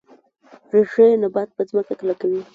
ریښې نبات په ځمکه کلکوي